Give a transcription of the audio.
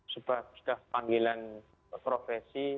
sebab sudah panggilan profesi